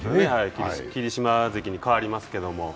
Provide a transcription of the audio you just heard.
霧島関にかわりますけど。